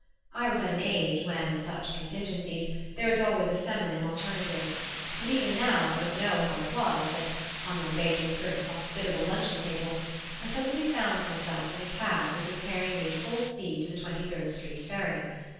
I was at an age when, in such contingencies, there is always a feminine alternative; and even now I don't know how it was that, on my way to a certain hospitable luncheon table, I suddenly found myself in a cab which was carrying me at full speed to the Twenty third Street ferry.